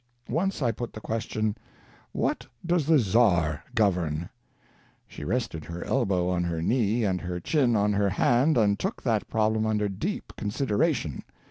Once I put the question: "What does the Czar govern?" She rested her elbow on her knee and her chin on her hand and took that problem under deep consideration.